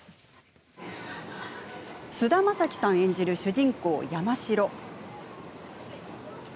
菅田将暉さん演じる主人公・山城。